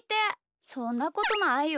そんなことないよ。